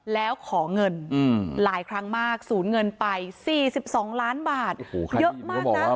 แล้วขอเงินหลายครั้งมากศูนย์เงินไป๔๒ล้านบาทเยอะมากนะ